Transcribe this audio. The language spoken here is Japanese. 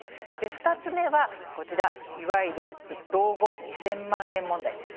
２つ目は、いわゆる老後２０００万円問題ですね。